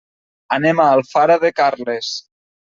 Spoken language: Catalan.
Anem a Alfara de Carles.